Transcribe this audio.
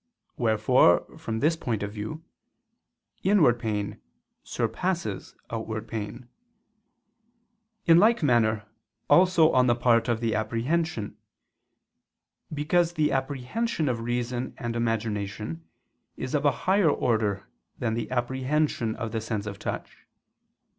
Wherefore, from this point of view, inward pain surpasses outward pain. In like manner also on the part of apprehension: because the apprehension of reason and imagination is of a higher order than the apprehension of the sense of touch.